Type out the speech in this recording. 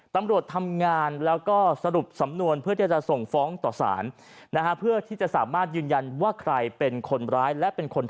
ตำรวจทำงานแล้วก็สรุปสำนวนเพื่อที่จะส่ง